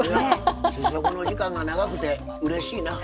試食の時間が長くてうれしいな。